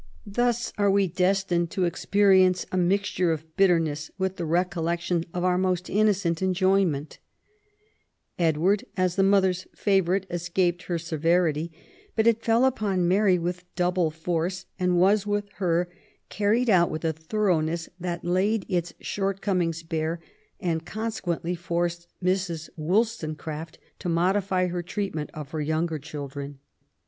Thus are we destined to experience a mixture of bitterness with the recollection of our most innocent enjoyment/' Edward, as the mother's favourite, escaped her severity ; but it fell upon Mary with double force, and was with her carried out with a thoroughness that laid its short comings bare, and consequently forced Mrs. WoUstone craft to modify her treatment of her younger children.